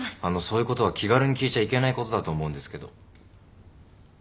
あのそういうことは気軽に聞いちゃいけないことだと思うんですけど。